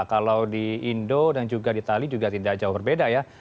kalau di indo dan juga di itali juga tidak jauh berbeda ya